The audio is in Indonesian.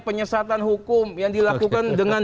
penyesatan hukum yang dilakukan dengan